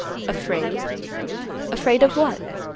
"Afraid? afraid of what?"